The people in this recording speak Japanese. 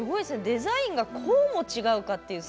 デザインがこうも違うかという。